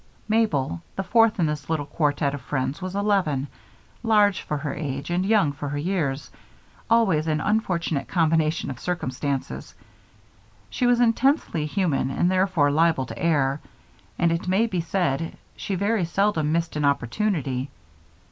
Mabel, the fourth in this little quartet of friends, was eleven, large for her age and young for her years, always an unfortunate combination of circumstances. She was intensely human and therefore liable to err, and, it may be said, she very seldom missed an opportunity.